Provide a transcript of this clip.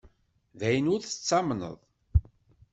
D ayen ur tettamneḍ.